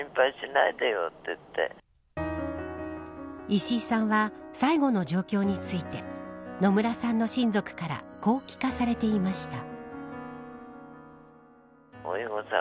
石井さんは最後の状況について野村さんの親族からこう聞かされていました。